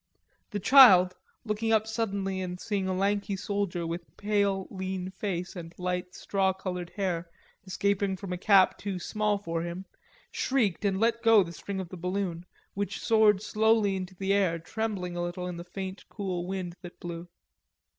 The child, looking up suddenly and seeing a lanky soldier with pale lean face and light, straw colored hair escaping from under a cap too small for him, shrieked and let go the string of the balloon, which soared slowly into the air trembling a little in the faint cool wind that blew.